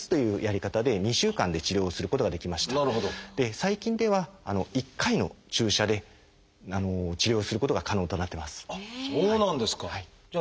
最近では１回の注射で治療することが可能となってます。